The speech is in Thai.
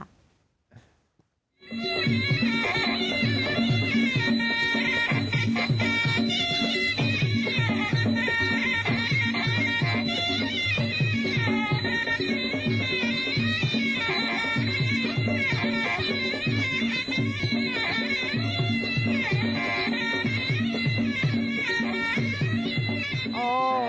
โอ้โห